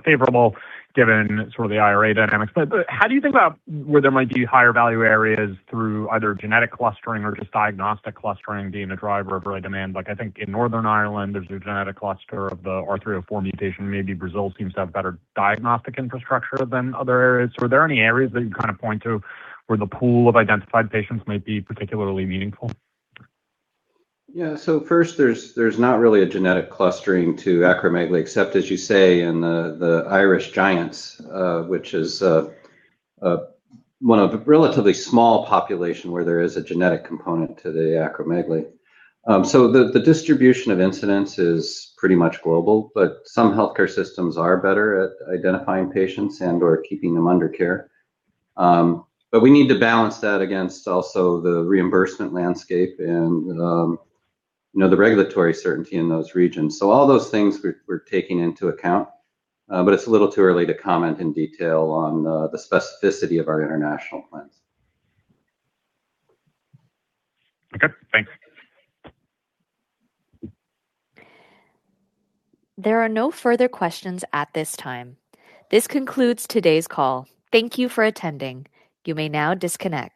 favorable given sort of the IRA dynamics. How do you think about where there might be higher value areas through either genetic clustering or just diagnostic clustering being a driver of early demand? Like, I think in Northern Ireland there's a genetic cluster of the R304 mutation. Maybe Brazil seems to have better diagnostic infrastructure than other areas. Were there any areas that you'd kind of point to where the pool of identified patients might be particularly meaningful? Yeah. First, there's not really a genetic clustering to acromegaly except, as you say, in the Irish Giants, which is one of a relatively small population where there is a genetic component to the acromegaly. The distribution of incidence is pretty much global, but some healthcare systems are better at identifying patients and/or keeping them under care. We need to balance that against also the reimbursement landscape and, you know, the regulatory certainty in those regions. All those things we're taking into account, but it's a little too early to comment in detail on the specificity of our international plans. Okay. Thanks. There are no further questions at this time. This concludes today's call. Thank you for attending. You may now disconnect.